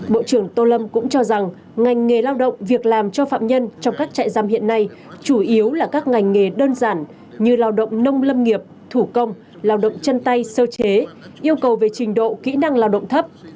bộ trưởng tô lâm cũng cho rằng ngành nghề lao động việc làm cho phạm nhân trong các trại giam hiện nay chủ yếu là các ngành nghề đơn giản như lao động nông lâm nghiệp thủ công lao động chân tay sơ chế yêu cầu về trình độ kỹ năng lao động thấp